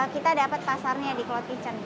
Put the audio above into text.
kita dapat pasarnya di cloud kitchen